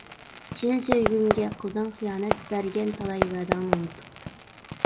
چىن سۆيگۈمگە قىلدىڭ خىيانەت، بەرگەن تالاي ۋەدەڭنى ئۇنتۇپ.